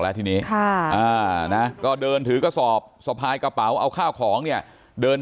แล้วทีนี้ก็เดินถือกระสอบสะพายกระเป๋าเอาข้าวของเนี่ยเดิน